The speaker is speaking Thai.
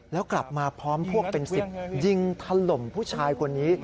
แล้วกลับมาพร้อมพวกเป็น๑๐ยิงถล่มผู้ชายคนนี้